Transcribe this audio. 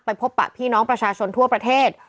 พบปะพี่น้องประชาชนทั่วประเทศ